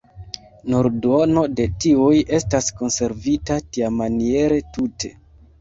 Nur duono de tiuj estas konservita tiamaniere tute.